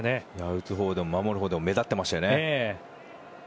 打つほうでも守るほうでも目立ってましたね。